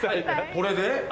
これで？